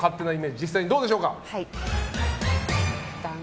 実際、どうでしょうか。